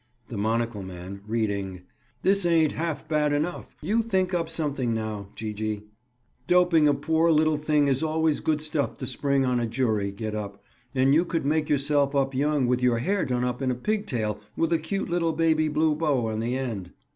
The monocle man, reading: "'This ain't half bad enough. You think up something now, Gee gee.' "'Doping a poor little thing is always good stuff to spring on a jury, Gid up. And you could make yourself up young with your hair done up in a pigtail, with a cute little baby blue bow on the end.